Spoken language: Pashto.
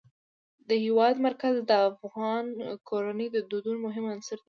د هېواد مرکز د افغان کورنیو د دودونو مهم عنصر دی.